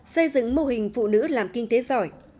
xây dựng mô hình phụ nữ làm kinh tế giỏi